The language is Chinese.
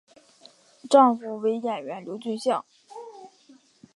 丈夫为演员刘俊相。